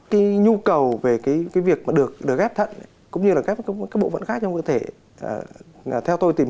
cái nhu cầu về cái việc được dáp thận cũng như là các bộ phận khác theo tôi tìm hiểu thì hiện nay là nó rất là nhộn nhịp